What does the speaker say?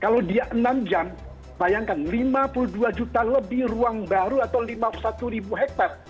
kalau dia enam jam bayangkan lima puluh dua juta lebih ruang baru atau lima puluh satu ribu hektare